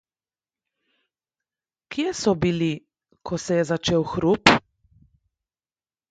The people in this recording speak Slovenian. Kje so bili, ko se je začel hrup?